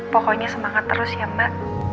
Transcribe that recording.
pokoknya semangat terus ya mbak